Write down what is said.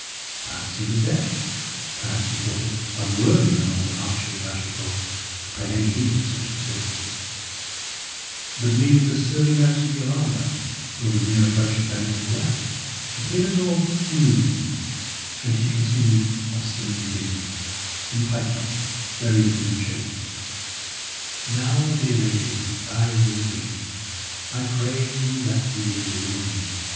Perhaps he was deaf; perhaps he thought it unworthy of an old archer of Agincourt to pay any heed to such disturbances; but neither the surly notes of the alarm bell, nor the near approach of Bennet and the lad, appeared at all to move him; and he continued obstinately digging, and piped up, very thin and shaky: "Now, dear lady, if thy will be, I pray you that you will rue on me."